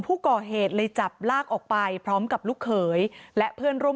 ผู้ก่อเหตุเลยจับลากออกไปพร้อมกับลูกเขยและเพื่อนร่วม